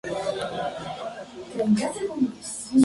El tratado del devolvió Macedonia a control otomano.